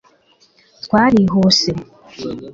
Twarihuse